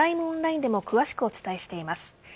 オンラインでも詳しくお伝えしています。